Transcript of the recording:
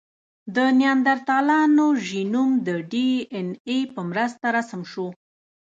د نیاندرتالانو ژینوم د ډياېناې په مرسته رسم شو.